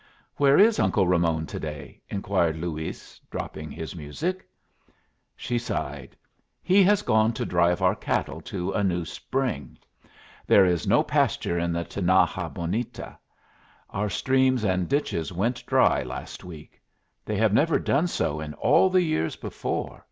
"Where is Uncle Ramon to day?" inquired Luis, dropping his music. She sighed. "He has gone to drive our cattle to a new spring. There is no pasture at the Tinaja Bonita. Our streams and ditches went dry last week. They have never done so in all the years before.